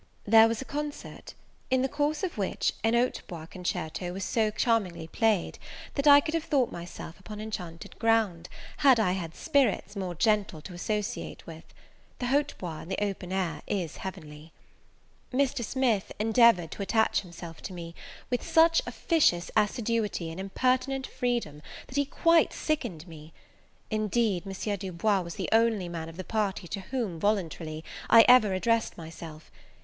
There was a concert; in the course of which a hautbois concerto was so charmingly played, that I could have thought myself upon enchanted ground, had I had spirits more gentle to associate with. The hautbois in the open air is heavenly. Mr. Smith endeavoured to attach himself to me, with such officious assiduity and impertinent freedom, that he quite sickened me. Indeed M. Du Bois was the only man of the party to whom, voluntarily, I ever addressed myself.